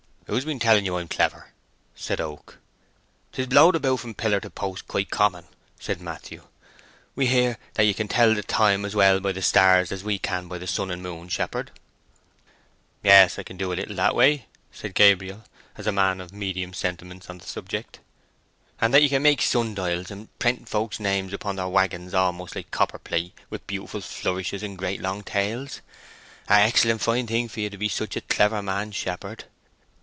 "Who's been telling you I'm clever?" said Oak. "'Tis blowed about from pillar to post quite common," said Matthew. "We hear that ye can tell the time as well by the stars as we can by the sun and moon, shepherd." "Yes, I can do a little that way," said Gabriel, as a man of medium sentiments on the subject. "And that ye can make sun dials, and prent folks' names upon their waggons almost like copper plate, with beautiful flourishes, and great long tails. A excellent fine thing for ye to be such a clever man, shepherd.